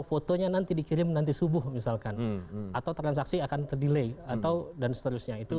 fotonya nanti dikirim nanti subuh misalkan atau transaksi akan terdelay atau dan seterusnya itu